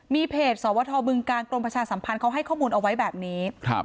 มีเพจสวทบึงการกรมประชาสัมพันธ์เขาให้ข้อมูลเอาไว้แบบนี้